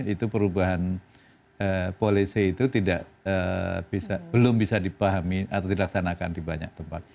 itu perubahan polisi itu belum bisa dipahami atau dilaksanakan di banyak tempat